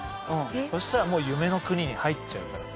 そしたらもう夢の国に入っちゃうから。